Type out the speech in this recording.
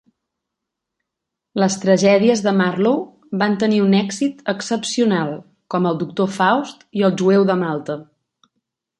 Les tragèdies de Marlowe van tenir un èxit excepcional, com "El Doctor Faust" i "El Jueu de Malta".